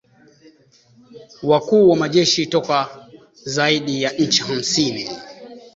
wakuu wa majeshi toka zaidi ya nchi hamsini